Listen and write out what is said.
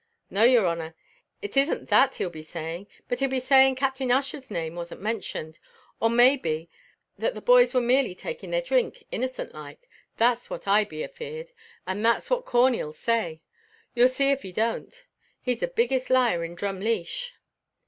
"No, yer honour, it isn't that he'll be saying, but he'll be saying Captain Ussher's name wasn't mentioned, or may be that the boys were merely taking their drink, innocent like; that's what I be afeared and that's what Corney 'll say; you'll see av he don't; he's the biggest liar in Drumleesh."